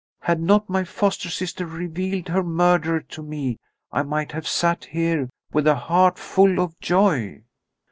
Had not my foster sister revealed her murderer to me I might have sat here with a heart full of joy."